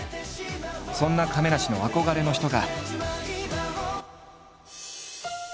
そんな亀梨の憧れの人が。